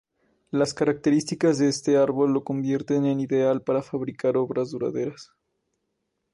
Las características de este árbol lo convierten en ideal para fabricar obras duraderas.